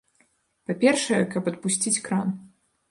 Па-першае, каб адпусціць кран.